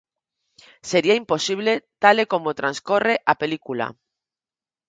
Sería imposible tal e como transcorre a película.